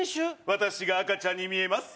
私が赤ちゃんに見えます